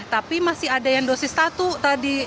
tapi masih ada yang dosis satu tadi